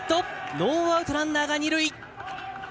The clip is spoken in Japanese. ノーアウトランナーが二塁です。